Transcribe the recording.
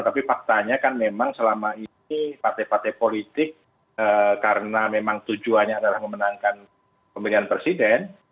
tapi faktanya kan memang selama ini partai partai politik karena memang tujuannya adalah memenangkan pemilihan presiden